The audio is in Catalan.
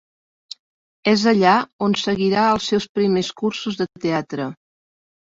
És allà on seguirà els seus primers cursos de teatre.